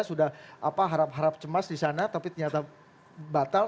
sudah harap harap cemas di sana tapi ternyata batal